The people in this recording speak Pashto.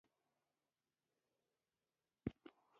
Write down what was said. خلک په اسانۍ تګ راتګ کوي.